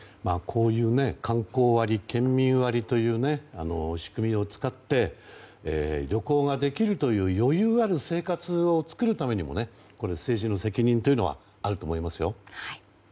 こういう観光割県民割という仕組みを使って旅行ができるという余裕ある生活を作るためにも、政治の責任というのはあると思いますよ。